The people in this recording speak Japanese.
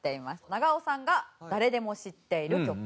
長尾さんが誰でも知っている曲。